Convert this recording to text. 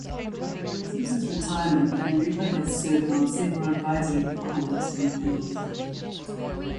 Since his retirement Van Riper has served on several advisory boards and panels.